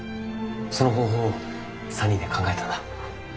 その方法を３人で考えたんだ。